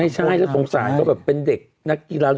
ไม่ใช่แล้วสงสารก็แบบเป็นเด็กนักกีฬา